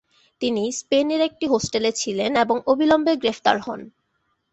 তিনি স্পেনের একটি হোস্টেলে ছিলেন, এবং অবিলম্বে গ্রেপ্তার হন।